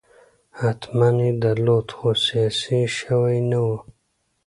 حتماً یې درلود خو سیاسي شوی نه و.